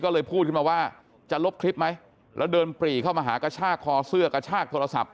ก็เลยพูดขึ้นมาว่าจะลบคลิปไหมแล้วเดินปรีเข้ามาหากระชากคอเสื้อกระชากโทรศัพท์